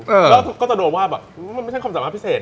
แล้วก็จะโดนว่าแบบมันไม่ใช่ความสามารถพิเศษ